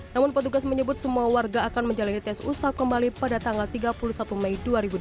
namun petugas menyebut semua warga akan menjalani tes usa kembali pada tanggal tiga puluh satu mei dua ribu dua puluh